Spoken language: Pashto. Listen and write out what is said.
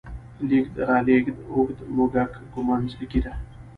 لېږد، رالېږد، اوږد، موږک، ږمنځ، ږيره